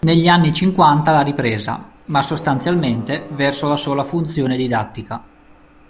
Negli anni cinquanta la ripresa, ma sostanzialmente verso la sola funzione didattica.